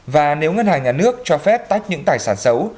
và nếu ngân hàng nhà nước cho phép tách những tài sản xấu